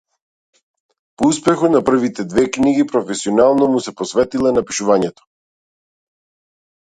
По успехот на првите две книги професионално му се посветила на пишувањето.